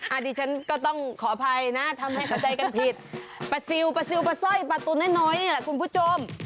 อาทิตย์ฉันก็ต้องขออภัยนะทำให้เขาใจกันผิดปลาซิลปลาซิลปลาส่อยป่าตูนให้หน่อยนี่แหละครูชม